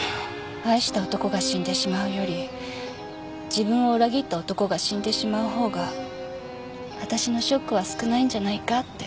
愛した男が死んでしまうより自分を裏切った男が死んでしまう方が私のショックは少ないんじゃないかって。